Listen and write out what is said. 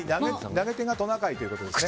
投げ手がトナカイということですね。